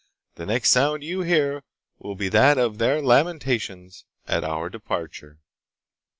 The next sound you hear will be that of their lamentations at our departure."